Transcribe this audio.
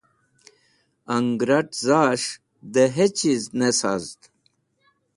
Angẽrat̃ zas̃h dẽ hechiz ne sazd